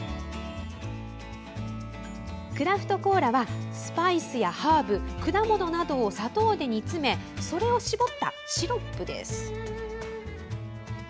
クラフトコーラはスパイスやハーブ、果物などを砂糖で煮詰めそれを搾ったシロップです。